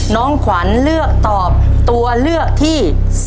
น้องขวัญเลือกตอบตัวเลือกที่๓